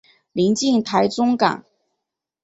临近台中港。